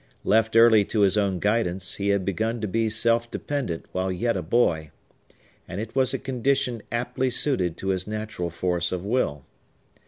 Left early to his own guidance, he had begun to be self dependent while yet a boy; and it was a condition aptly suited to his natural force of will.